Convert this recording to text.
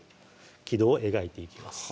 軌道を描いていきます